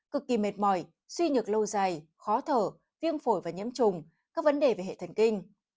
cực kỳ mệt mỏi suy nhược lâu dài khó thở viêm phổi và nhiễm trùng các vấn đề về hệ thần kinh